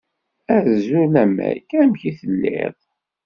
Azul a Meg, amek telliḍ?